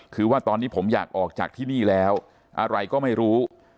คือว่าตอนนี้ผมอยากออกจากที่นี่แล้วอะไรก็ไม่รู้